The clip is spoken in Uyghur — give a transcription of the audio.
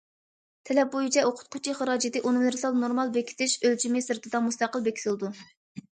تەلەپ بويىچە، ئوقۇتقۇچى خىراجىتى ئۇنىۋېرسال نورما بېكىتىش ئۆلچىمى سىرتىدا مۇستەقىل بېكىتىلىدۇ.